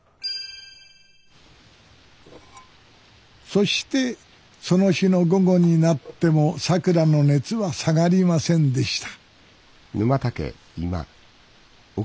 そしてその日の午後になってもさくらの熱は下がりませんでした